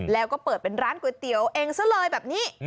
แล้วก็เปิดเป็นร้านก๋วยเตี๋ยวเองซะเลยแบบนี้